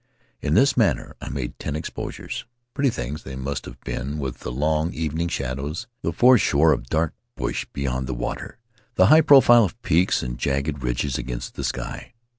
In this manner I made ten exposures — pretty things they must have been, with the long evening shadows, the foreshore of dark bush beyond the water, the high profile of peaks and jagged ridges against the sky.